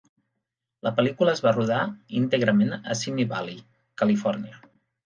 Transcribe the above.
La pel·lícula es va rodar íntegrament a Simi Valley, Califòrnia.